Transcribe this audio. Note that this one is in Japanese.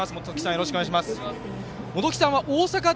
よろしくお願いします。